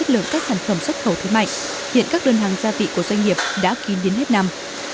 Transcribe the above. lượng các sản phẩm xuất khẩu thứ mạnh hiện các đơn hàng gia vị của doanh nghiệp đã kín đến hết năm